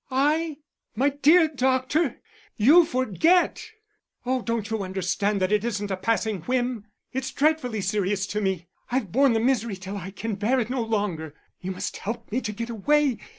"I? My dear doctor, you forget! Oh, don't you understand that it isn't a passing whim? It's dreadfully serious to me I've borne the misery till I can bear it no longer. You must help me to get away.